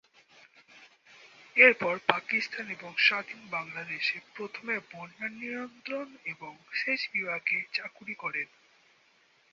এর পর পাকিস্তান এবং স্বাধীন বাংলাদেশে প্রথমে বন্যা নিয়ন্ত্রণ, সেচ বিভাগে চাকুরী করেন।